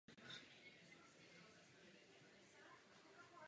Kromě jiného zákon zakazuje zveřejňování jmen obětí.